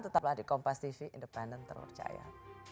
tetap lagi di kompas tv independent terpercaya